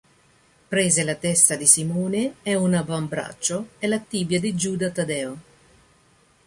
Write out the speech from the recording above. Prese la testa di Simone e un avambraccio e la tibia di Giuda Taddeo.